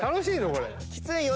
これ。